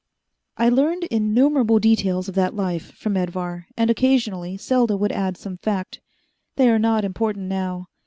I learned innumerable details of that life from Edvar, and occasionally Selda would add some fact. They are not important now.